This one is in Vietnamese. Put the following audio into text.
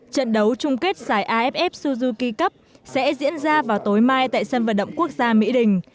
trận đấu chung kết giải aff suzuki cup sẽ diễn ra vào tối mai tại sân vận động quốc gia mỹ đình